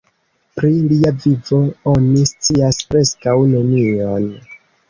Pri lia vivo oni scias preskaŭ nenion.